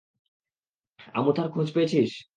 আমুথার খোঁজ পেয়েছিস?